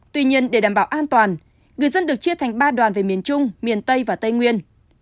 tuy nhiên để đảm bảo an toàn người dân được chia thành ba đoàn về miền trung miền tây và tây nguyên